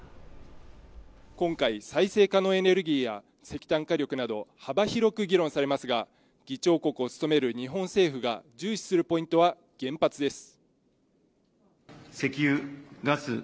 今回再生可能エネルギーや石炭火力など幅広く議論されますが、議長国を務める日本政府が重視するポイントは原発です。